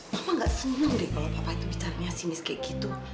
mama gak seneng deh kalau papa itu bicaranya sinis kayak gitu